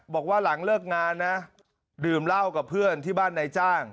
บอกว่าหลังเลิกงานนะดื่มเหล้ากับเพื่อนที่บ้านนายจ้าง